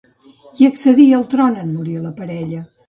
Qui accedí al tron en morir la parella?